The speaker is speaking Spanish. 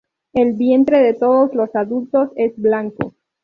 El vientre de todos los adultos es blanco.